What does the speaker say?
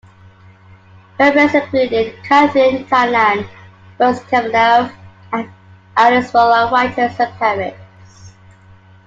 Her friends included Katharine Tynan, Rose Kavanagh and Alice Furlong, writers and poets.